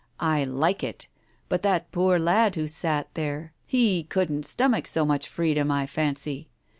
1 like it. But that poor lad who sat there — he couldn't stomach so much freedom, I fancy.